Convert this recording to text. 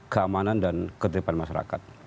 keamanan dan keturiban masyarakat